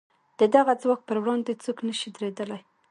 د دغه ځواک پر وړاندې څوک نه شي درېدلای.